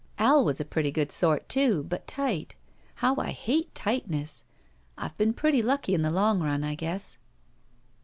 Al was a pretty good sort, too, but tight. How I hate tight ness ! I've been pretty lucky in the long nm, I guess.